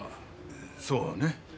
そうね。